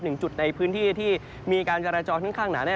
หนึ่งจุดในพื้นที่ที่มีการจราจรค่อนข้างหนาแน่